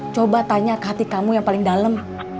coba tanya ke hati kamu yang paling dalam